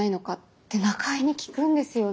って中江に聞くんですよね。